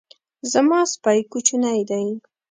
زما سپی کوچنی دی